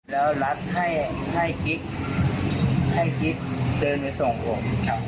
แล้วรัฐให้กิ๊กเดินไปส่งผม